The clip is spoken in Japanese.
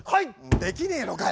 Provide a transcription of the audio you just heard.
できねえのかよ